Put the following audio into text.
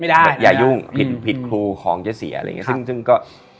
ไม่ได้อย่ายุ่งผิดผิดครูของจะเสียอะไรอย่างเงี้ยครับซึ่งซึ่งก็